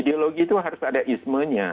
ideologi itu harus ada ismenya